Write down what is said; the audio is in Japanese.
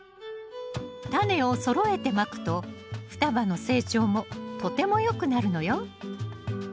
タネをそろえてまくと双葉の成長もとてもよくなるのよ。